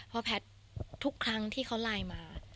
เพราะแพทย์ทุกครั้งที่เขาไลน์มา